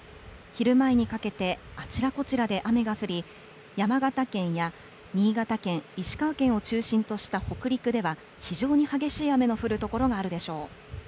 昼前にかけてあちらこちらで雨が降り山形県や新潟県石川県を中心とした北陸では非常に激しい雨の降る所があるでしょう。